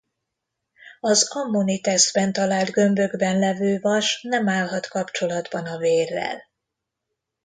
Az ammoniteszben talált gömbökben levő vas nem állhat kapcsolatban a vérrel.